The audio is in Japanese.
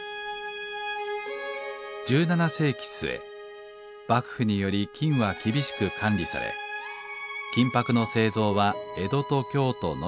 １７世紀末幕府により金は厳しく管理され金箔の製造は江戸と京都のみでした。